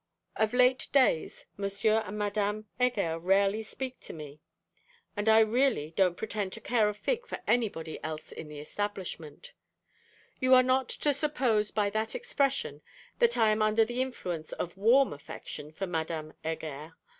_Of late days, M. and Madame Heger rarely speak to me; and I really don't pretend to care a fig for anybody else in the establishment_. You are not to suppose by that expression that I am under the influence of warm affection for Madame Heger.